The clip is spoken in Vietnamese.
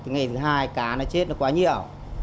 ngày thứ hai cá chết quá nhiều